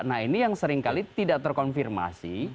nah ini yang sering kali tidak terkonfirmasi